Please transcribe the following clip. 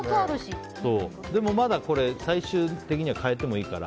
でも、最終的には変えてもいいから。